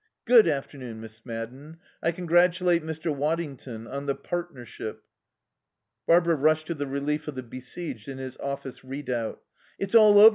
"Good afternoon, Miss Madden. I congratulate Mr. Waddington on the partnership." Barbara rushed to the relief of the besieged in his office redoubt. "It's all over!"